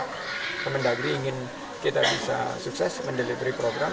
kementerian negeri ingin kita bisa sukses mendelivery program